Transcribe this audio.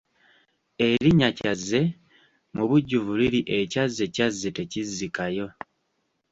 Erinnya Kyazze mubujjuvu liri Ekyazze kyazze tekizzikayo.